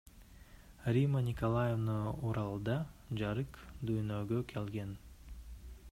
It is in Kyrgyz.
Римма Николаевна Уралда жарык дүйнөгө келген.